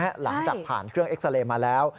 หลังจากผ่านเครื่องเอ็กซาเรย์มาแล้ว